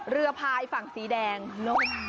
เรือพายฝั่งสีแดงโล่ง